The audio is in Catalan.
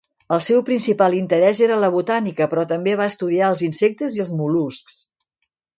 El seu principal interès era la botànica però també va estudiar els insectes i els mol·luscs.